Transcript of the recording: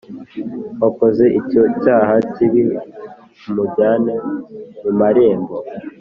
Wakoze icyo cyaha kibi umujyane mu marembo